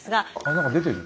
何か出てる。